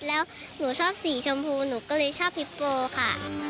แล้วหนูชอบสีชมพูหนูก็เลยชอบฮิปโกค่ะ